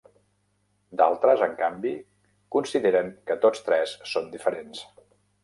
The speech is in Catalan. D'altres, en canvi, consideren que tots tres són diferents.